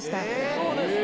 そうですか。